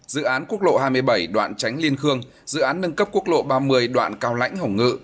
dự án quốc lộ hai mươi bảy đoạn tránh liên khương dự án nâng cấp quốc lộ ba mươi đoạn cao lãnh hồng ngự